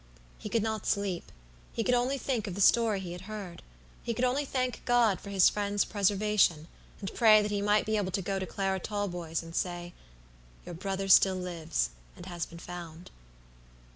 He could not sleep; he could only think of the story he had heard. He could only thank God for his friend's preservation, and pray that he might be able to go to Clara Talboys, and say, "Your brother still lives, and has been found."